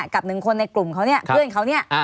กับหนึ่งคนในกลุ่มเขาเนี่ยเพื่อนเขาเนี่ย